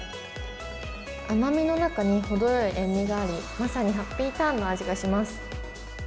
甘みの中に程よい塩味があり、まさにハッピーターンの味がします。